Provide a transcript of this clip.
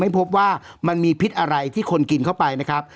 พบว่ามันมีพิษอะไรที่คนกินเข้าไปนะครับ